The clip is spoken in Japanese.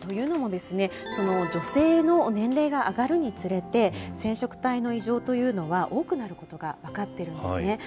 というのも、女性の年齢が上がるにつれて、染色体の異常というのは多くなることが分かってるんですね。